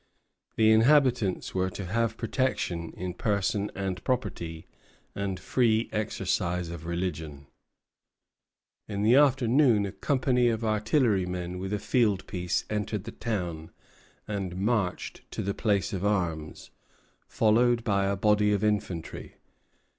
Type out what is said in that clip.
The inhabitants were to have protection in person and property, and free exercise of religion. Articles de Capitulation, 18 Sept. 1759. In the afternoon a company of artillerymen with a field piece entered the town, and marched to the place of arms, followed by a body of infantry.